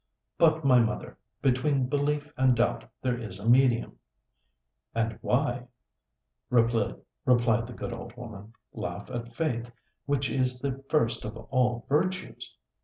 "But, my mother, between belief and doubt there is a medium." "And why," replied the good old woman, "laugh at faith, which is the first of all virtues?